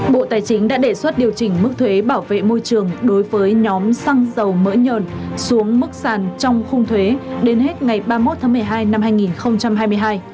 bộ tài chính đã đề xuất điều chỉnh mức thuế bảo vệ môi trường đối với nhóm xăng dầu mỡ nhờn xuống mức sàn trong khung thuế đến hết ngày ba mươi một tháng một mươi hai năm hai nghìn hai mươi hai